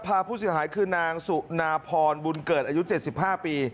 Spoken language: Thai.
พาผู้เสียหายคือนางสุนาพรบุญเกิดอายุ๗๕ปี